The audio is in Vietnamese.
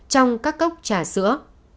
trong các cốc trà sữa